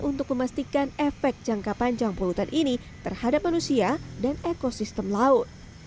untuk memastikan efek jangka panjang polutan ini terhadap manusia dan ekosistem laut